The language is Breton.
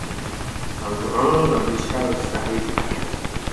Ar greun a blij kalz d'ar c'hezeg.